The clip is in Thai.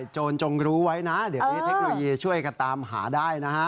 โจรจงรู้ไว้นะเดี๋ยวนี้เทคโนโลยีช่วยกันตามหาได้นะฮะ